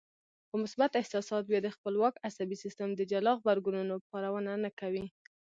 خو مثبت احساسات بيا د خپلواک عصبي سيستم د جلا غبرګونونو پارونه نه کوي.